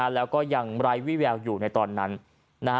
แล้วก็ยังไร้วิแววอยู่ในตอนนั้น